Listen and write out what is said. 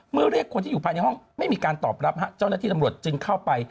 เรียกคนที่อยู่ภายในห้องไม่มีการตอบรับเจ้าหน้าที่ตำรวจจึงเข้าไป